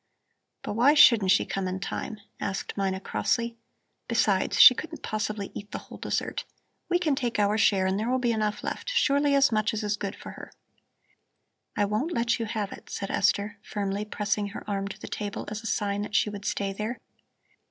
"But why shouldn't she come in time?" asked Mina crossly. "Besides, she couldn't possibly eat the whole dessert. We can take our share and there will be enough left, surely as much as is good for her." "I won't let you have it," said Esther, firmly pressing her arm to the table as a sign that she would stay there.